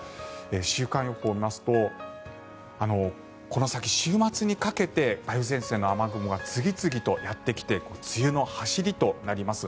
週間予報を見ますとこの先、週末にかけて梅雨前線の雨雲が次々とやってきて梅雨の走りとなります。